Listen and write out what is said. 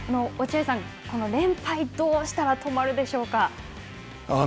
落合さん、連敗どうしたら止まるでしょうか。